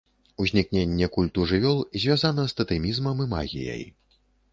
Узнікненне культу жывёл звязана з татэмізмам і магіяй.